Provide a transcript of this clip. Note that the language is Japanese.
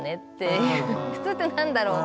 普通って何だろう？